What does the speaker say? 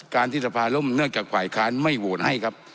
ที่สภาล่มเนื่องจากฝ่ายค้านไม่โหวตให้ครับ